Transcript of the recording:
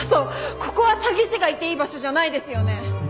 ここは詐欺師がいていい場所じゃないですよね！？